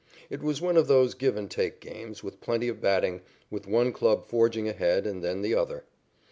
It was one of those give and take games with plenty of batting, with one club forging ahead and then the other.